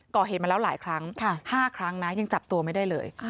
ก่อเหตุมาแล้วหลายครั้ง๕ครั้งนะยังจับตัวไม่ได้เลย